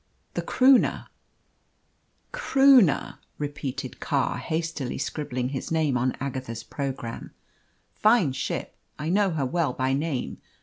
"The Croonah." "Croonah," repeated Carr, hastily scribbling his name on Agatha's programme. "Fine ship; I know her well by name.